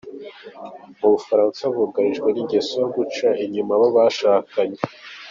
Mu Bufaransa bugarijwe n’ingeso yo guca inyuma abo bashakanye